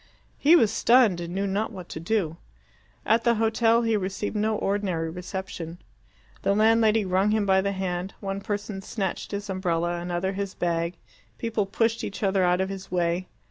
He was stunned and knew not what to do. At the hotel he received no ordinary reception. The landlady wrung him by the hand; one person snatched his umbrella, another his bag; people pushed each other out of his way.